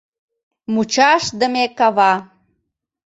Мучашдыме кава.